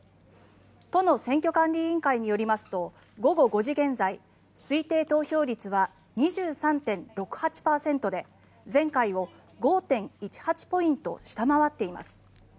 都の選挙管理委員会によりますと午後５時現在推定投票率は２３．６８％で前回を５．１８ポイント下回っています。